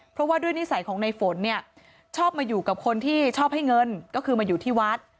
เพราะว่าด้วยนิสัยของในฝนเนี่ยชอบมาอยู่กับคนที่ชอบให้เงินก็คือมาอยู่ที่วัด